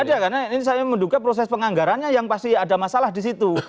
tidak ada karena ini saya menduga proses penganggarannya yang pasti ada masalah di situ